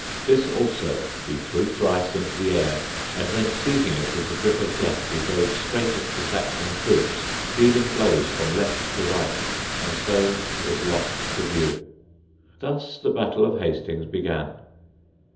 This also he threw thrice into the air, and then seizing it with the grip of death he rode straight at the Saxon troops, dealing blows from left to right, and so was lost to view. Thus the Battle of Hastings began.